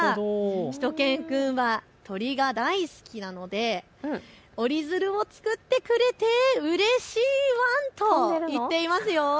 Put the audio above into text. しゅと犬くんは鳥が大好きなので折り鶴を作ってくれて、うれしいワンと言っていますよ。